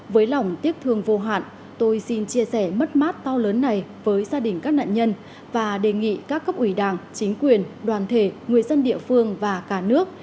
với lòng tiếc thương vô hạn tôi xin chia sẻ mất mát to lớn này với gia đình các nạn nhân và đề nghị các cấp ủy đảng chính quyền đoàn thể người dân địa phương và cả nước